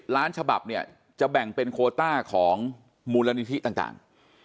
ล้านฉบับเนี่ยจะแบ่งเป็นโคต้าของมูลนิธิต่าง